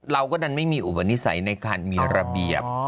เราก็ดันไม่มีอุปนิสัยในการมีระเบียบ